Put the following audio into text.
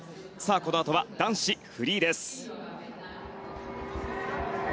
このあとは男子フリーです。